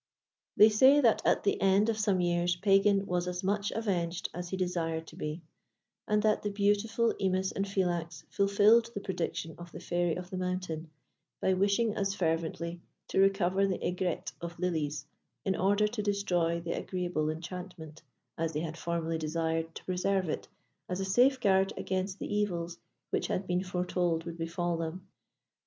They say that at the end of some years, Pagan was as much avenged as he desired to be; and that the beautiful Imis and Philax fulfilled the prediction of the Fairy of the Mountain, by wishing as fervently to recover the aigrette of lilies in order to destroy the agreeable enchantment, as they had formerly desired to preserve it as a safeguard against the evils which had been foretold would befal them.